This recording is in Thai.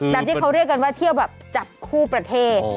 ที่เขาเรียกกันว่าเที่ยวแบบจับคู่ประเทศ